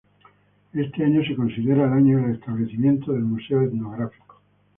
Este año se considera el año de establecimiento del Museo Etnográfico.